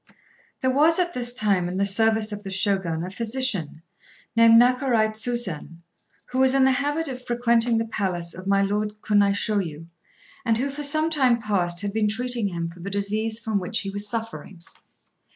"] There was at this time in the service of the Shogun a physician, named Nakarai Tsusen, who was in the habit of frequenting the palace of my Lord Kunaishôyu, and who for some time past had been treating him for the disease from which he was suffering.